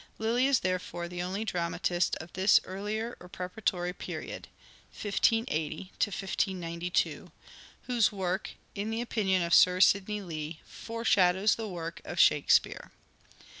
Lyly is therefore the only dramatist of this earlier or preparatory period (1580 1592) whose work, in the opinion of Sir Sidney Lee, fore shadows the work of " Shakespeare."